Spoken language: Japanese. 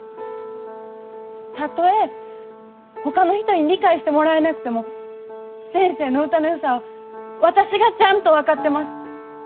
たとえほかの人に理解してもらえなくても先生の歌のよさは私がちゃんと分かってます。